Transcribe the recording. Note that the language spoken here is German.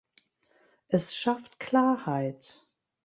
Es schafft Klarheit.